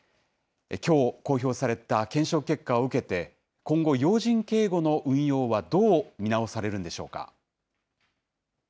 きょう公表された検証結果を受けて、今後、要人警護の運用はどう見直されるんでしょうか。